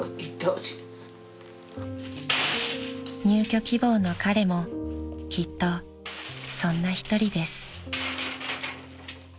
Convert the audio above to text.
［入居希望の彼もきっとそんな一人です］